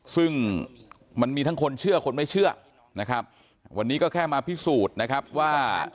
ซึ่งมันมีทั้งคนเชื่อคนไม่เชื่อนะครับวันนี้ก็แค่มาพิสูจน์นะครับว่า